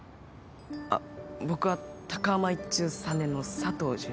あっ僕は高浜一中３年の佐藤淳一です。